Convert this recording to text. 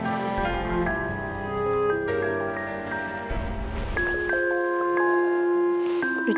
ya sudah pak